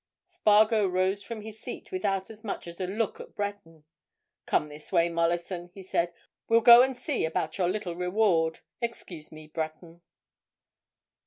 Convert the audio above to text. Spargo rose from his seat without as much as a look at Breton. "Come this way, Mollison," he said. "We'll go and see about your little reward. Excuse me, Breton."